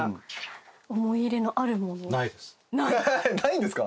えっないんですか？